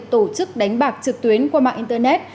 tổ chức đánh bạc trực tuyến qua mạng internet